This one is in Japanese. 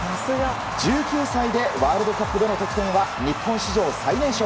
１９歳でワールドカップでの得点は日本史上最年少。